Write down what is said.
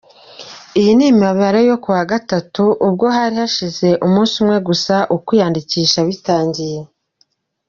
Iyi ni imibare yo kuwa gatatu, ubwo hari hashize umunsi umwe gusa ukwiyandikisha bitangiye .